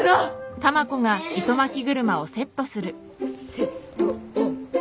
セットオン。